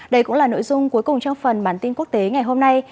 đây cũng là nội dung cuối cùng trong phần bản tin quốc tế ngày hôm nay